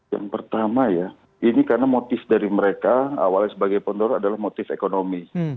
yang pertama ya ini karena motif dari mereka awalnya sebagai pendorong adalah motif ekonomi